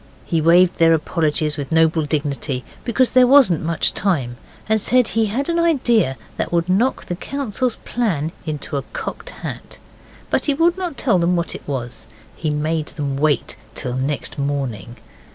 He waived their apologies with noble dignity, because there wasn't much time, and said he had an idea that would knock the council's plan into a cocked hat. But he would not tell them what it was. He made them wait till next morning.